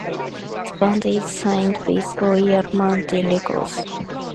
The band is signed with Royal Mountain Records.